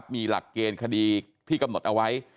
มีหลักเกณฑ์คดีที่กำหนดเอาไว้